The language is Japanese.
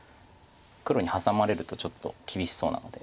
黒にハサまれるとちょっと厳しそうなので。